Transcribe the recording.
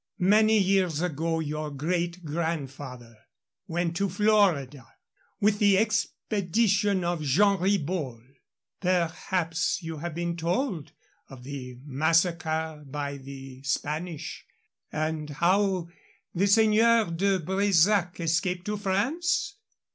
Many years ago, your great grandfather went to Florida with the expedition of Jean Ribault. Perhaps you have been told of the massacre by the Spanish and how the Seigneur de Bresac escaped to France?